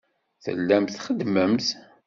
Tellamt txeddmemt.